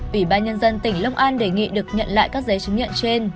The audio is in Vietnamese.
ủy ban nhân dân tỉnh long an đề nghị được nhận lại các giấy chứng nhận trên